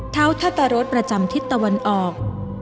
เท้าทัตรรสประจำทิศตะวันออก